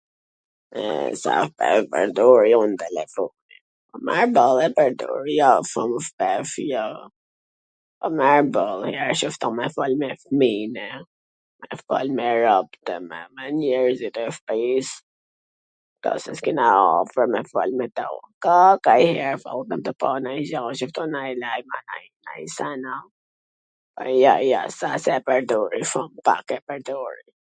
E sa e pwrdori un telefonin? Mirboll e pwrdori, jo shum shpesh jo, mirboll njwher qesh tu me fol me fmijn e, me fol me ropt e me njerzit e shpis ktu se s kena afwr me fol me ta, ka kanjher fol...nanj sen a... po jo jo, s a se e pwrdori shum... pak e pwrdor